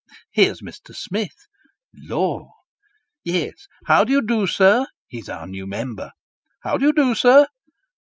" Here's Mr. Smith." " Lor !"" Yes, how d'ye do, sir ? (He is our new member) How do you do, sir